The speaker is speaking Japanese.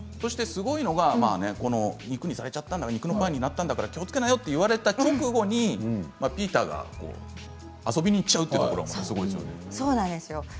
すごいのが肉にされちゃった肉のパイになったんだから気をつけなさいと言われた直後にピーターが遊びに行っちゃうというところもすごいですよね。